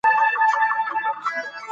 سهار سالم څښاک سپارښتنه شوه.